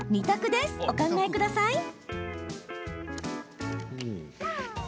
２択でお考えください。